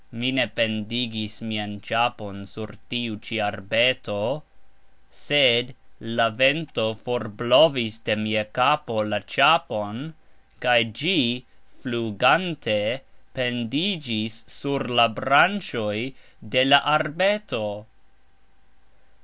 Mi ne pendigis mian cxapon sur tiu cxi arbeto; sed la vento forblovis de mia kapo la cxapon, kaj gxi, flugante, pendigxis sur la brancxoj de la arbeto.